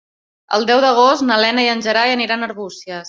El deu d'agost na Lena i en Gerai aniran a Arbúcies.